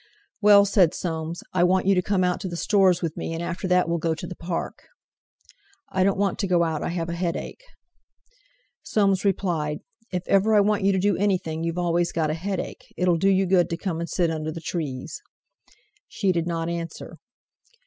"Well," said Soames, "I want you to come out to the Stores with me, and after that we'll go to the Park." "I don't want to go out; I have a headache." Soames replied: "If ever I want you to do anything, you've always got a headache. It'll do you good to come and sit under the trees." She did not answer.